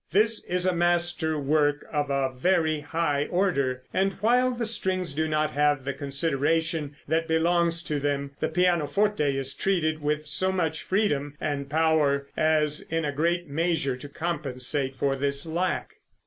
This is a master work of a very high order, and while the strings do not have the consideration that belongs to them, the pianoforte is treated with so much freedom and power as in a great measure to compensate for this lack.